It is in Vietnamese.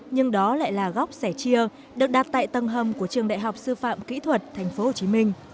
nhưng đó lại là góc sẻ chia được đặt tại tầng hầm của trường đại học sư phạm kỹ thuật tp hcm